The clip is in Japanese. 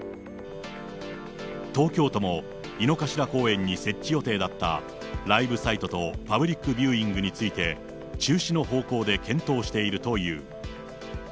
東京都も井の頭公園に設置予定だったライブサイトとパブリックビューイングについて、中止の方向で検討しているという。